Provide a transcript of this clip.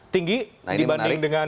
tinggi dibanding dengan